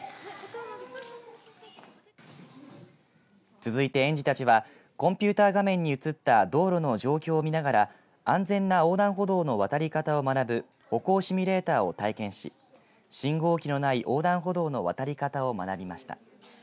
続いて園児たちはコンピューター画面に映った道路の状況を見ながら安全な横断歩道の渡り方を学ぶ歩行シミュレーターを体験し信号機のない横断歩道の渡り方を学びました。